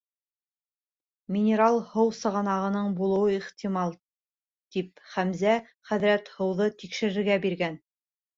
Минераль һыу сығанағының булыуы ихтимал, тип, Хәмзә хәҙрәт һыуҙы тикшертергә биргән.